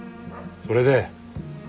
それで？